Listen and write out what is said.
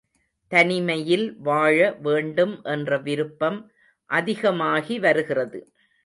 தனிமையில் வாழ வேண்டும் என்ற விருப்பம் அதிகமாகி வருகிறது.